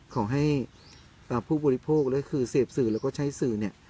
ขอให้ผู้บริโภคและคือเสพสื่อแล้วก็ใช้สื่อเนี่ย